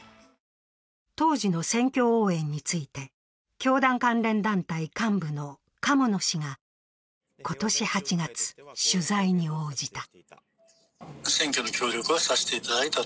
当時の選挙応援について、教団関連団体幹部の鴨野氏が今年８月、取材に応じた。